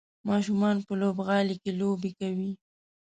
ماشومان په لوبغالي کې لوبې کوي.